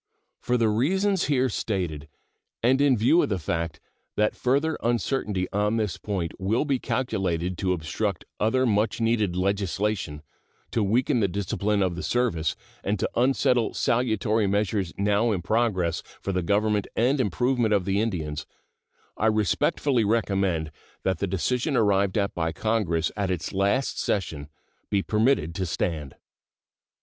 For the reasons here stated, and in view of the fact that further uncertainty on this point will be calculated to obstruct other much needed legislation, to weaken the discipline of the service, and to unsettle salutary measures now in progress for the government and improvement of the Indians, I respectfully recommend that the decision arrived at by Congress at its last session be permitted to stand.